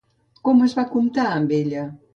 Com es va comportar amb ella?